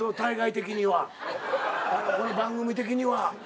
この番組的には。